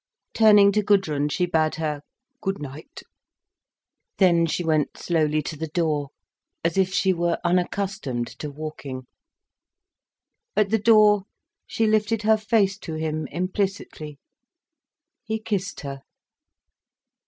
Turning to Gudrun, she bade her "Good night." Then she went slowly to the door, as if she were unaccustomed to walking. At the door she lifted her face to him, implicitly. He kissed her.